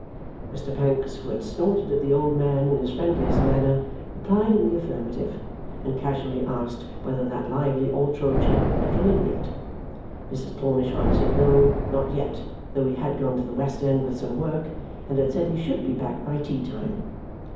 Mr Pancks, who had snorted at the old man in his friendliest manner, replied in the affirmative, and casually asked whether that lively Altro chap had come in yet? Mrs Plornish answered no, not yet, though he had gone to the West End with some work, and had said he should be back by tea time.